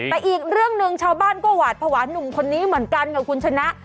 แต่อีกเรื่องหนึ่งชาวบ้านก็หวาดภาวะหนุ่มคนนี้เหมือนกันค่ะคุณชนะ